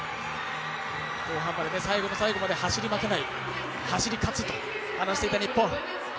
後半まで最後の最後まで走り負けない、走り勝つと話していた日本。